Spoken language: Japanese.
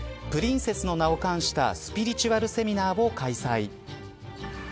そんなお二人は、２０１９年プリンセスの名を冠したスピリチュアルセミナーを開催。